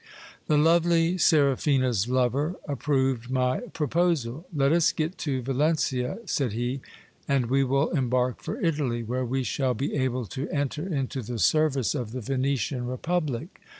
The lovely Seraphina's lover approved my proposal. Let us get to Valencia, said he, and we will embark for Italy, where we shall be able to enter into the service of the Venetian republic.